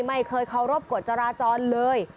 ไม่เคยเคารพกฎจราจรเลย